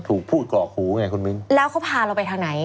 ถูกพูดกรอกหูไงคุณมิ้นแล้วเขาพาเราไปทางไหน